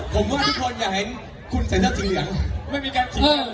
ผมว่าทุกคนอยากเห็นคุณใส่เสื้อสีเหลือง